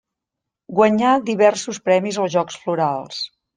Guanyà diversos premis als Jocs Florals.